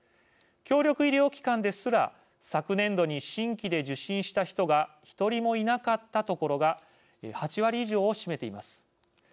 協力医療機関ですら昨年度に新規で受診した人が１人もいなかった所が８割以上を占めています。